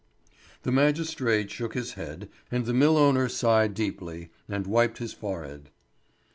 The magistrate shook his head, and the mill owner sighed deeply, and wiped his forehead.